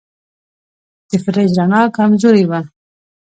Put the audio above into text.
د فریج رڼا کمزورې وه.